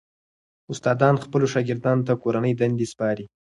استادان خپلو شاګردانو ته کورنۍ دندې سپاري.